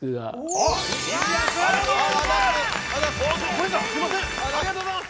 ありがとうございます！